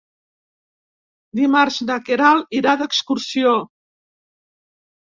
Dimarts na Queralt irà d'excursió.